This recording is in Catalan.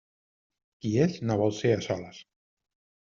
Qui és, no vol ser a soles.